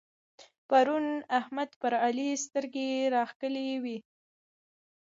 پرون احمد پر علي سترګې راکښلې وې.